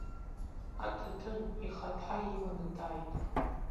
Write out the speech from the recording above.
Аҭаҭын ихаҭа иманы дааит.